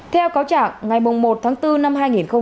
theo cáo trả ngày một tháng bốn năm hai nghìn một mươi năm